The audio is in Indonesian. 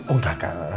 oh gak kak